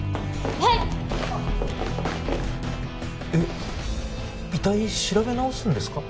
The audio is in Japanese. あっえっ遺体調べ直すんですか？